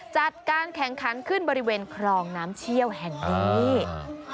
จัดการแข่งขันขึ้นบริเวณครองน้ำเชี่ยวแห่งนี้อ่า